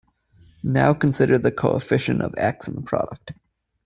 Now consider the coefficient of "x" in the product.